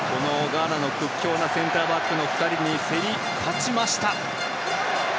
ガーナの屈強なセンターバックの２人に競り勝ちました。